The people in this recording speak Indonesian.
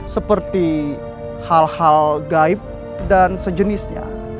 seperti hal hal gaib dan sejenisnya